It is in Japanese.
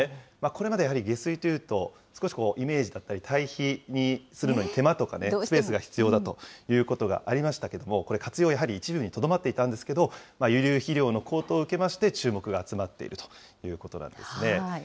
これまでやはり、下水というと、少しイメージだったり、堆肥にするのに手間とかスペースが必要だということがありましたけども、これ活用やはり一部にとどまっていたんですけれども、輸入肥料の高騰を受けまして、注目が集まっているということなんですね。